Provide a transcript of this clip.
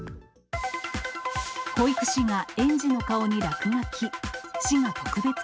保育士が園児の顔に落書き。